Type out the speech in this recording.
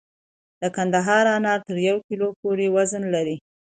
د کندهار انار تر یو کیلو پورې وزن لري.